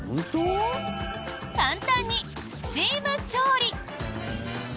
簡単にスチーム調理。